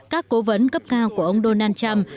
các cố vấn cấp cao của ông donald trump